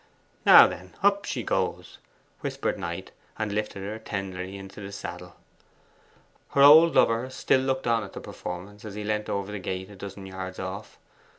'Now then up she goes!' whispered Knight, and lifted her tenderly into the saddle. Her old lover still looked on at the performance as he leant over the gate a dozen yards off.